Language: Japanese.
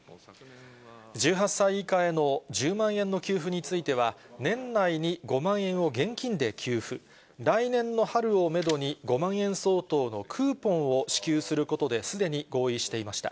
１８歳以下への１０万円の給付については、年内に５万円を現金で給付、来年の春をメドに５万円相当のクーポンを支給することで、すでに合意していました。